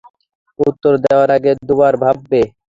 উত্তর দেওয়ার আগে দুবার ভাববে।